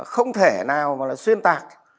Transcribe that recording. không thể nào mà là xuyên tạc